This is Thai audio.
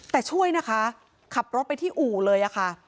แต่ช่วยนะคะขับรถไปที่อู่เลยค่ะ